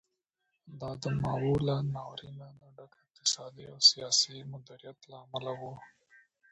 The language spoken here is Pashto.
دا د ماوو له ناورینه د ډک اقتصادي او سیاسي مدیریت له امله و.